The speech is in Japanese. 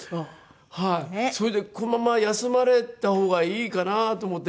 それでこのまま休まれた方がいいかなと思って。